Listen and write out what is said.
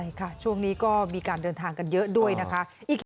ใช่ค่ะช่วงนี้ก็มีการเดินทางกันเยอะด้วยนะคะ